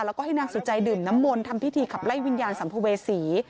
แล้วก็ให้นางสุจัยดื่มน้ำมนต์ทำพิธีขับไล่วิญญาณสัมภเวษี